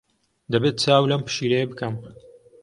دەبێت چاو لەم پشیلەیە بکەم.